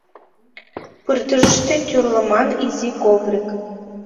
Пырдыжыште тӱрлыман изи коврик.